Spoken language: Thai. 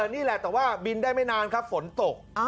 นี่แหละแต่ว่าบินได้ไม่นานครับฝนตก